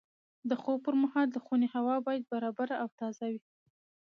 د خوب پر مهال د خونې هوا باید برابره او تازه وي.